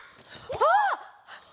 あっ！